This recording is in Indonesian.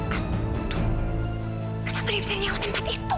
antutu kenapa dia bisa nyewa tempat itu